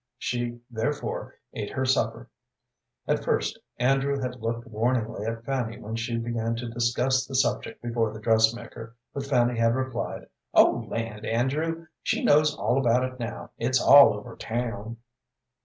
She, therefore, ate her supper. At first Andrew had looked warningly at Fanny when she began to discuss the subject before the dressmaker, but Fanny had replied, "Oh, land, Andrew, she knows all about it now. It's all over town."